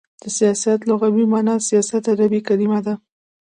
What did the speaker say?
د سیاست لغوی معنا : سیاست عربی کلمه ده.